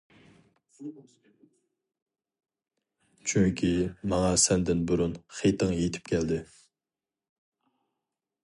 چۈنكى ماڭا سەندىن بۇرۇن خېتىڭ يېتىپ كەلدى.